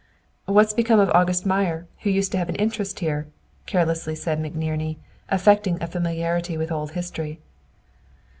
"What's become of August Meyer, who used to have an interest here?" carelessly said McNerney, affecting a familiarity with old history.